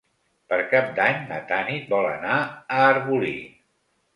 Per Cap d'Any na Tanit vol anar a Arbolí.